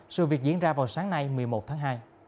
sự việc diễn ra vào sáng nay một mươi một tháng hai